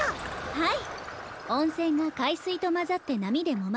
はい。